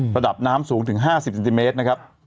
ระดับน้ำสูงถึง๕๐เซนติเมตรนะครับ